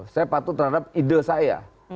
saya patuh terhadap ide saya